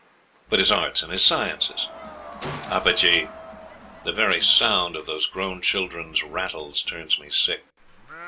'But his arts and his sciences?.... Apage! The very sound of those grown children's rattles turns me sick....